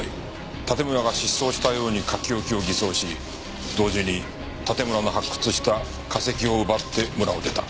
盾村が失踪したように書き置きを偽装し同時に盾村の発掘した化石を奪って村を出た。